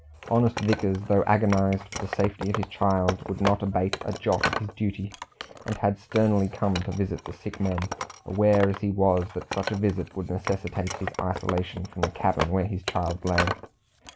Honest Vickers, though agonized for the safety of his child, would not abate a jot of his duty, and had sternly come to visit the sick men, aware as he was that such a visit would necessitate his isolation from the cabin where his child lay.